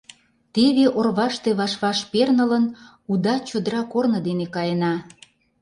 Теве, орваште ваш-ваш пернылын, уда чодыра корно дене каена.